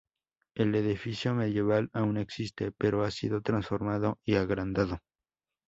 El edificio medieval aún existe, pero ha sido transformado y agrandado.